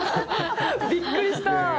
びっくりした。